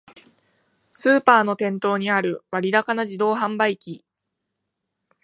スーパーの店頭にある割高な自動販売機